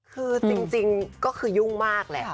คือจริงก็คือยุ่งมากแหละ